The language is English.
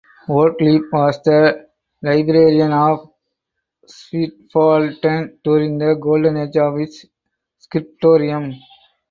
Ortlieb was the librarian of Zwiefalten during the "golden age" of its scriptorium.